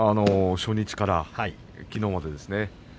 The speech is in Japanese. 初日からきのうまでですね。